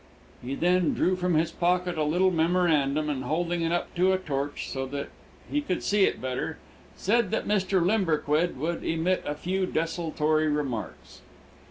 He then drew from his pocket a little memorandum, and, holding it up to a torch, so that he could see it better, said that Mr. Limberquid would emit a few desultory remarks.